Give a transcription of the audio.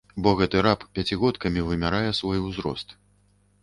Бо гэты раб пяцігодкамі вымярае свой узрост.